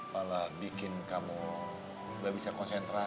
malah bikin kamu ga bisa konsentrasi